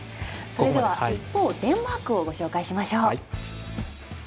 一方、デンマークをご紹介しましょう。